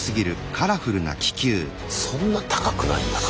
そんな高くないんだな。